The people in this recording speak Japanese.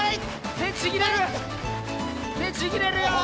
てちぎれるよ！